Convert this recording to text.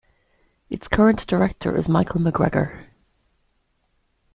Its current Director is Michael McGregor.